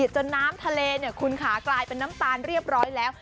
จนน้ำทะเลคุณขากลายเป็นน้ำตาลเรียบร้อยแล้ว